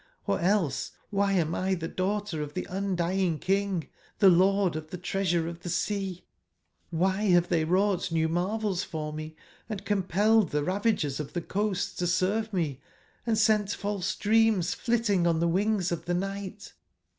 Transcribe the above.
Or else why am 1 the daughter of the On dying King, the Lord of theOeasureof theSea? QIhy have they wrought new marvels for me, and compelled the Ravagers of the Coasts to serve me, and sent false dreams flitting on the wings of the night